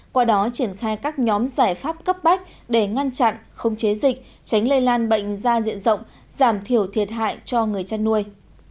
qua đó triển khai các nhóm giải pháp cấp bách để ngăn chặn không chế dịch tránh lây lan bệnh ra diện rộng giảm thiểu thiệt hại cho người chăn nuôi